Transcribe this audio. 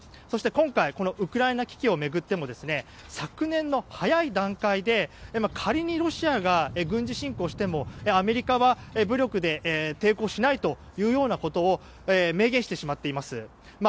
そして、今回ウクライナ危機を巡っても昨年の早い段階で、仮にロシアが軍事侵攻してもアメリカは武力で抵抗しないというようなことを明言してしまっています。